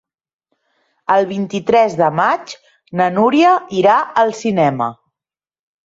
El vint-i-tres de maig na Núria irà al cinema.